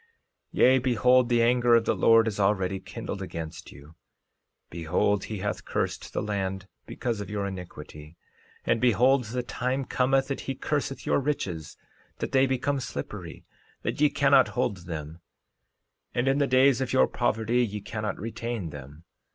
13:30 Yea, behold, the anger of the Lord is already kindled against you; behold, he hath cursed the land because of your iniquity. 13:31 And behold, the time cometh that he curseth your riches, that they become slippery, that ye cannot hold them; and in the days of your poverty ye cannot retain them.